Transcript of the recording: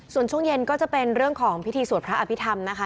ส่วนช่วงเย็นก็จะเป็นเรื่องของพิธีสวดพระอภิษฐรรมนะคะ